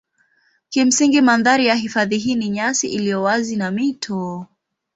Kimsingi mandhari ya hifadhi hii ni nyasi iliyo wazi na mito.